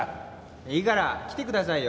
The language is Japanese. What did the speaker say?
いいから来てくださいよ。